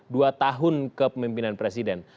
dua tahun ke pemimpinan presiden